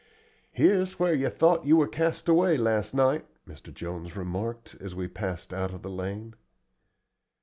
"Here's where you thought you was cast away last night," Mr. Jones remarked, as we passed out of the lane.